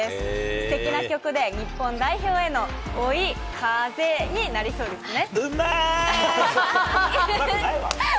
すてきな曲で日本代表への追い風になりそうですね。